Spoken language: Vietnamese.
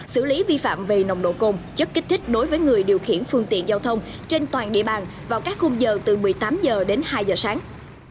xử lý vi phạm về nồng độ cồn chất kích thích đối với người điều khiển phương tiện giao thông trên toàn địa bàn vào các khung giờ từ một mươi tám h đến hai h sáng